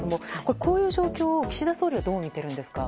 こういう状況を岸田総理はどう見ているんですか。